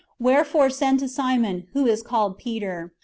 Wherefore send to Simon, who is called Peter."